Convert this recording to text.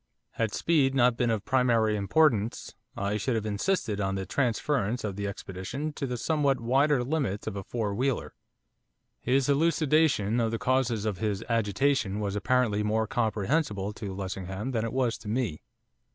Had speed not been of primary importance I should have insisted on the transference of the expedition to the somewhat wider limits of a four wheeler. His elucidation of the causes of his agitation was apparently more comprehensible to Lessingham than it was to me.